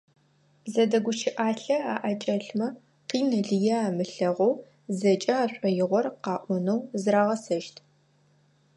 Зэдэгущыӏалъэ аӏэкӏэлъмэ, къин лые амылъэгъоу зэкӏэ ашӏоигъор къаӏонэу зырагъэсэщт.